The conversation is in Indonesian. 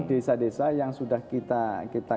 desa desa yang sudah kita